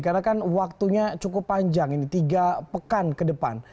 karena kan waktunya cukup panjang ini tiga pekan ke depan